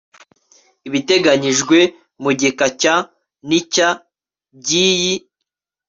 Ibiteganyijwe mu gika cya n icya by iyi